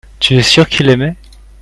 tu es sûr qu'il aimait.